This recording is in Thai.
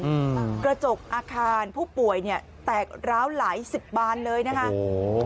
อืมกระจกอาคารผู้ป่วยเนี้ยแตกร้าวหลายสิบบานเลยนะคะโอ้โห